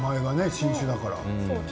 新種だから。